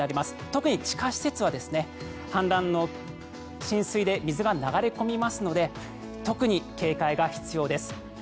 特に地下施設は浸水で水が流れ込みますので特に警戒が必要です。